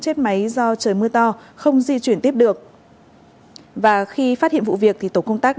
chết máy do trời mưa to không di chuyển tiếp được và khi phát hiện vụ việc thì tổ công tác